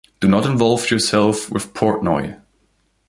Do not involve yourself with Portnoy.